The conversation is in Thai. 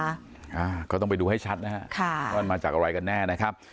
อ่าก็ต้องไปดูให้ชัดนะฮะค่ะว่ามันมาจากอะไรกันแน่นะครับ